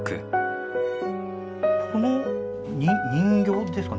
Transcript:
この人形ですか？